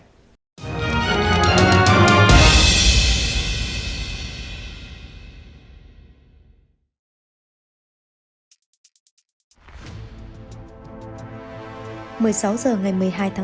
hành trình phá án